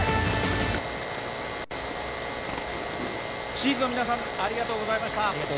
ＳＨＥ’Ｓ の皆さんありがとうございました。